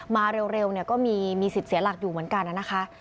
มาเร็วก็มีสิทธิ์เสียหลักอยู่เหมือนกันนะคะ